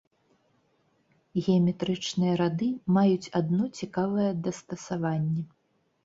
Геаметрычныя рады маюць адно цікавае дастасаванне.